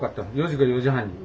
４時か４時半に。